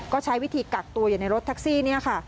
ก็ใช้วิธีกักตัวอยู่ในรถแท็กซี่นี่ค่ะ